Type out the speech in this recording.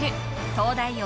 「東大王」